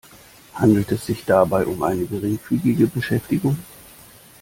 Handelt es sich dabei um eine geringfügige Beschäftigung?